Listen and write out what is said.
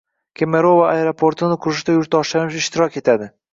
Kemerovo aeroportini qurishda yurtdoshlarimiz ishtirok etadi